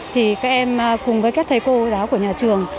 thì các em cùng với các thầy cô giáo của nhà trường